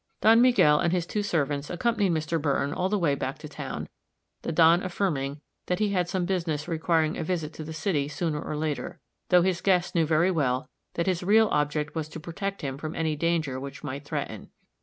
Don Miguel and two of his servants accompanied Mr. Burton all the way back to town; the Don affirming that he had some business requiring a visit to the city sooner or later; though his guest knew very well that his real object was to protect him from any danger which might threaten.